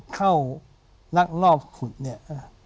เข้านักรอบขุดเนี่ย